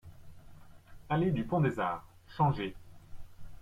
Allée du Pont des Arts, Changé